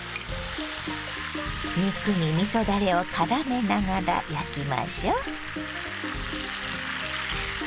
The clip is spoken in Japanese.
肉にみそだれをからめながら焼きましょう。